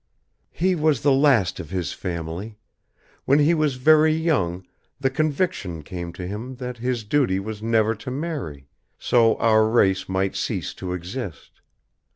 "He was the last of his family. When he was very young the conviction came to him that his duty was never to marry, so our race might cease to exist.